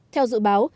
theo dự báo